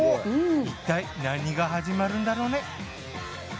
いったい何が始まるんだろうね。